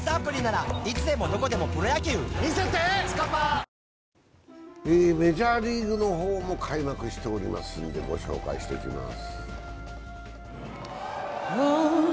ぷはーっメジャーリーグの方も開幕しておりますんでご紹介していきます。